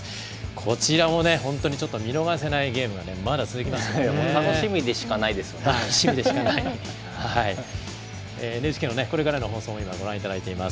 こちらもね、本当にちょっと見逃せないゲーム楽しみでしかないＮＨＫのこれからの放送も今ご覧いただいています。